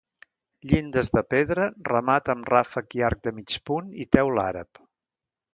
Llindes de pedra, remat amb ràfec i arc de mig punt, i teula àrab.